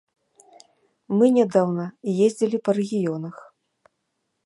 Мы нядаўна ездзілі па рэгіёнах.